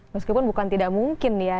meskipun bukan tidak mungkin ya